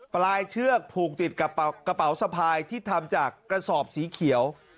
ปลายเชือกผูกติดกับกระเป๋าสะพายที่ทำจากกระสอบสีเขียว